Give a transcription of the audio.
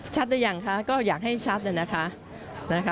หรือยังคะก็อยากให้ชัดนะคะ